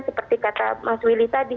seperti kata mas willy tadi